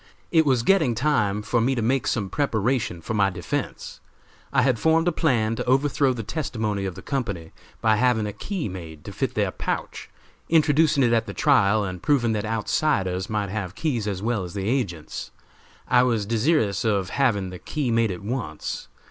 It was getting time for me to make some preparation for my defense. I had formed a plan to overthrow the testimony of the company by having a key made to fit their pouch, introducing it at the trial and proving that outsiders might have keys as well as the agents. I was desirous of having the key made at once.